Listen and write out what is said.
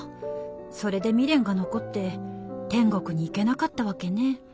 それで未練が残って天国に行けなかったわけね。